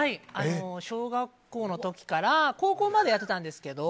小学校の時から高校までやってたんですけど。